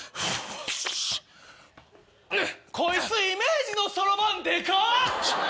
こいつイメージのそろばんでかっ！